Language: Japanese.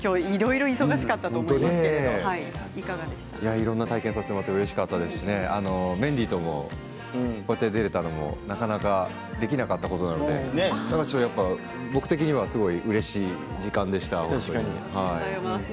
いろんな体験をさせてもらってうれしかったですしメンディーともこうやって出られたのもなかなかできなかったことなので僕的にはすごくうれしい時間で確かに。